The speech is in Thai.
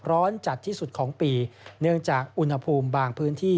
ร้อนจัดที่สุดของปีเนื่องจากอุณหภูมิบางพื้นที่